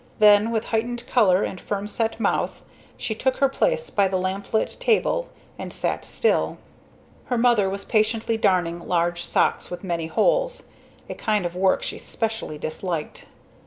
Then with heightened color and firm set mouth, she took her place by the lamplit table and sat still. Her mother was patiently darning large socks with many holes a kind of work she specially disliked.